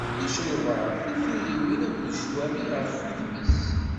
Icelbaḍ, tifiriwin akked ccwami ɣef wudem-is.